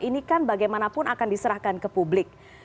ini kan bagaimanapun akan diserahkan ke publik